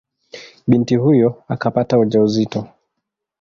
Binti huyo akapata ujauzito.